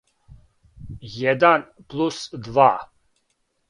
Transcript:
један плус два